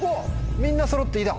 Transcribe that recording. みんなそろって胃だ。